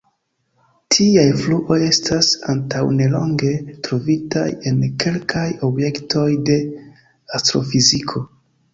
Tiaj fluoj estas antaŭnelonge trovitaj en kelkaj objektoj de astrofiziko.